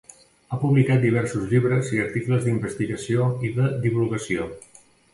Ha publicat diversos llibres i articles d'investigació i de divulgació.